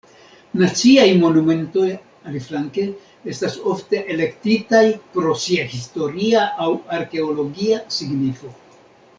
Naciaj Monumentoj, aliflanke, estas ofte elektitaj pro sia historia aŭ arkeologia signifo.